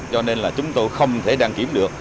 cho nên là chúng tôi không thể đăng kiểm được